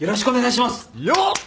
よっ！